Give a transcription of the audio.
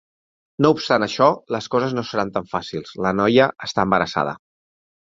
No obstant això, les coses no seran tan fàcils: la noia està embarassada.